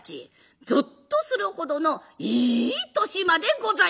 ゾッとするほどのいい年増でございます。